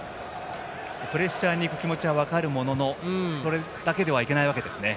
プレッシャーに行く気持ちは分かるもののそれだけではいけないわけですね。